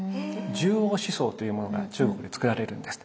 十王思想というものが中国で作られるんです。